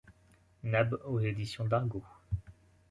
Nab aux éditions Dargaud.